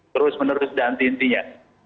terus menerus dan intinya